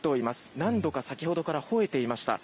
何度か先ほどからほえていました。